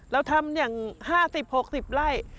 เราทำอย่างห้าสิบหกสิบไล่